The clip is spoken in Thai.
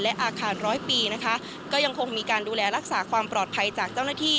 และอาคารร้อยปีนะคะก็ยังคงมีการดูแลรักษาความปลอดภัยจากเจ้าหน้าที่